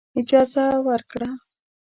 اجازه ورکړه.